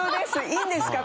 いいんですか？